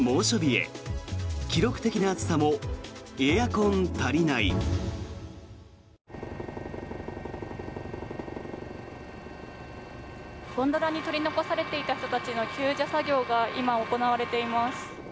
ゴンドラに取り残されていた人たちの救助作業が今、行われています。